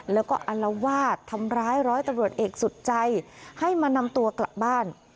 แล้วก็อลวาดทำร้ายร้อยตำรวจเอกสุดใจให้มานำตัวกลับบ้าน